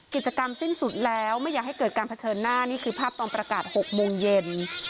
กิจกรรมสิ้นสุดแล้วไม่อยากให้เกิดการเผชิญหน้านี่คือภาพตอนประกาศ๖โมงเย็น